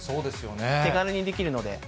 手軽にできるので。